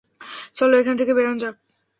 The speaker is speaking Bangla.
চলো, এখান থেকে বেরানো যাক।